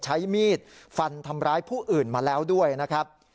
ใช้มีดฟันทำร้ายผู้อื่นมาแล้วด้วยนะครับ